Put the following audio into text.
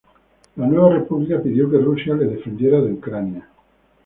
La nueva república pidió que Rusia la defendiera de Ucrania.